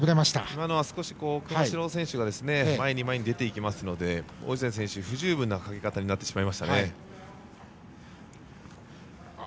今のは熊代選手が前に前に出ていきますので王子谷選手は不十分なかけ方になっていますね。